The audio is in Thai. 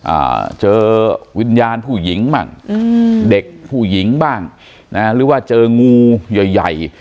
อ่าเจอวิญญาณผู้หญิงบ้างอืมเด็กผู้หญิงบ้างนะหรือว่าเจองูใหญ่ใหญ่